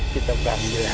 kita beranggila hahaha